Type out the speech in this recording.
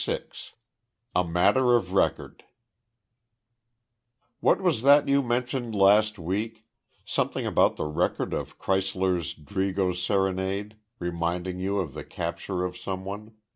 VI A MATTER OF RECORD "What was that you mentioned last week something about the record of Kreisler's 'Drigo's Serenade' reminding you of the capture of some one?"